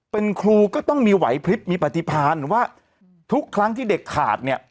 เป็นครูก็ต้องมีไหวพลิบมีปฏิพันธ์ว่าทุกครั้งที่เด็กขาดเนี่ย